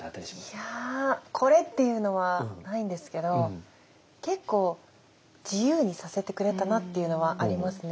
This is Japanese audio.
いやこれっていうのはないんですけど結構自由にさせてくれたなっていうのはありますね。